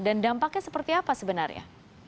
dan dampaknya seperti apa sebenarnya